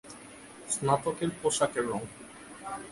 স্নাতকের পোশাকের রঙ।